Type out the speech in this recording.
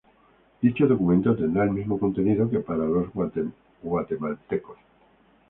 Dicho documento tendrá el mismo contenido que para los guatemaltecos.